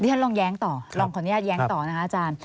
เดี๋ยวฮานลองแย้งต่อขออนุญาตแย้งต่อนะฮาจารณ์